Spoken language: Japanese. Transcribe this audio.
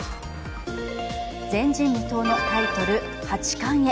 前人未到のタイトル八冠へ。